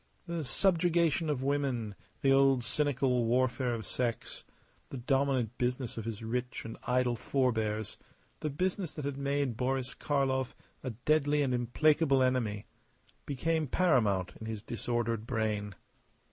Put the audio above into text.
The subjugation of women, the old cynical warfare of sex the dominant business of his rich and idle forbears, the business that had made Boris Karlov a deadly and implacable enemy became paramount in his disordered brain.